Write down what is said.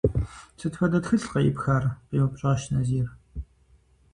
– Сыт хуэдэ тхылъ къеӀыпхар? – къеупщӀащ Назир.